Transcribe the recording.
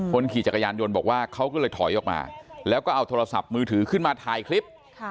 คนขี่จักรยานยนต์บอกว่าเขาก็เลยถอยออกมาแล้วก็เอาโทรศัพท์มือถือขึ้นมาถ่ายคลิป